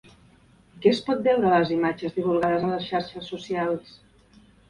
Què es pot veure a les imatges divulgades a les xarxes socials?